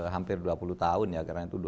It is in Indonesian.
hampir dua puluh tahun ya